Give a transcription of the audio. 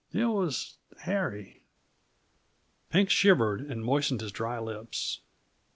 It was Harry." Pink shivered and moistened his dry lips.